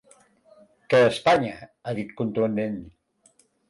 Que Espanya, ha dit, contundent.